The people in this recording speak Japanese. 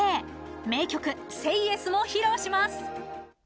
名曲「ＳＡＹＹＥＳ」も披露します。